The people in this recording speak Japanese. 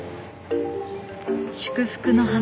祝福の花。